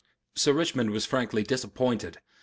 Sir Richmond was frankly disappointed.